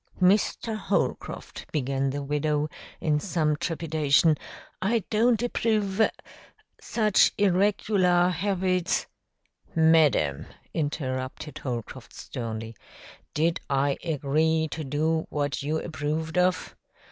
"Mr. Holcroft," began the widow, in some trepidation, "I don't approve such irregular habits " "Madam," interrupted Holcroft sternly, "did I agree to do what you approved of?